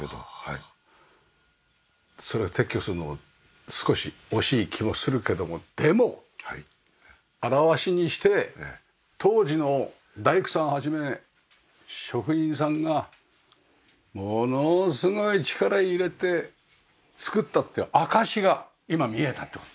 それを撤去するの少し惜しい気もするけどもでも現しにして当時の大工さんを始め職人さんがものすごい力入れて造ったっていう証しが今見えたって事。